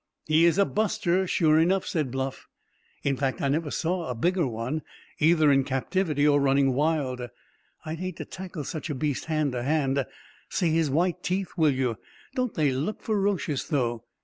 "He is a buster, sure enough," said Bluff; "in fact, I never saw a bigger one, either in captivity or running wild. I'd hate to tackle such a beast hand to hand. See his white teeth, will you! Don't they look ferocious, though?